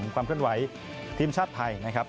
ความเคลื่อนไหวทีมชาติไทยนะครับ